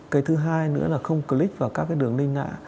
cái thứ hai nữa là không click vào các cái đường linh ngã